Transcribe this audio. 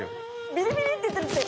ビリビリっていってるって！